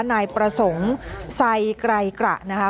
นายประสงค์ไซไกรกระนะคะ